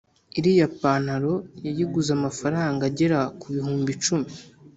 iriya pantaro yayiguze amafaranga agera kubihumbi icumi